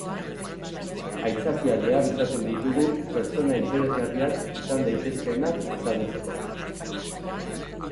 Aitzakiak behar izaten ditugu pertsona interesgarriak izan daitezkeenak ezagutzeko.